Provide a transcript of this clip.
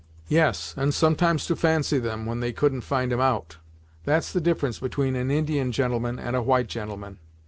"Yes, and sometimes to fancy them, when they couldn't find 'em out! That's the difference atween an Indian gentleman and a white gentleman.